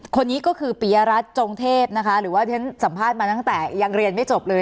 คนนี้ก็คือปียรัฐจงเทพนะคะหรือว่าที่ฉันสัมภาษณ์มาตั้งแต่ยังเรียนไม่จบเลย